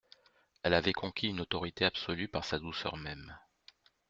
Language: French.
Elle avait conquis une autorité absolue, par sa douceur même.